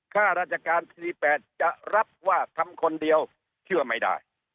ข้าราชการ๔๘จะรับว่าทำคนเดียวเชื่อไม่ได้